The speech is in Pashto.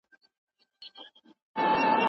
تاسو باید د مقالي لپاره یو منظم ترتیب جوړ کړئ.